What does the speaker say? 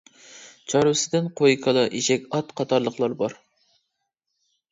چارۋىسىدىن قوي، كالا، ئېشەك، ئات قاتارلىقلار بار.